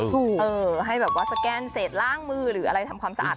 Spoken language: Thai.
เออให้แบบว่าสแกนเศษล้างมือหรืออะไรทำความสะอาด